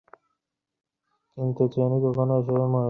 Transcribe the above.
যদি শাসন করতে চাও, সকলের গোলাম হয়ে যাও।